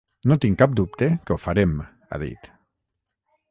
No tinc cap dubte que ho farem, ha dit.